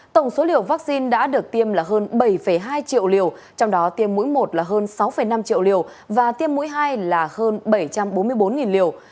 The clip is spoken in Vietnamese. tổng số liều vaccine đã được tiêm là hơn bảy hai triệu liều trong đó tiêm mũi một là hơn sáu năm triệu liều và tiêm mũi hai là hơn bảy trăm bốn mươi bốn liều